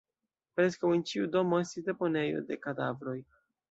Preskaŭ en ĉiu domo estis deponejo de kadavroj.